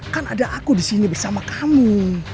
kan ada aku di sini bersama kamu